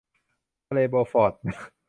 ทะเลโบฟอร์ต